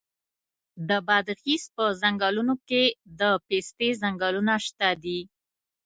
د بادغیس په څنګلونو کې د پستې ځنګلونه شته دي.